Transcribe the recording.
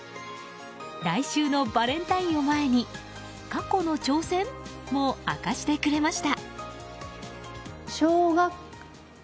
来週のバレンタインを前に過去の挑戦？も明かしてくれました。